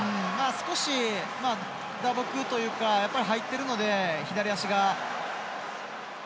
少し、打撲というか入っているので、左足が。